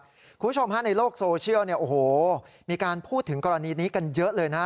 คุณผู้ชมฮะในโลกโซเชียลเนี่ยโอ้โหมีการพูดถึงกรณีนี้กันเยอะเลยนะ